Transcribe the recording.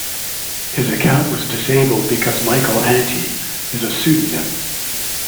His account was disabled because Michael Anti is a pseudonym.